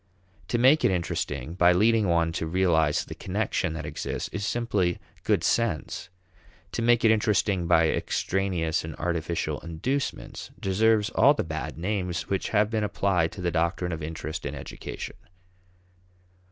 To make it interesting by leading one to realize the connection that exists is simply good sense; to make it interesting by extraneous and artificial inducements deserves all the bad names which have been applied to the doctrine of interest in education.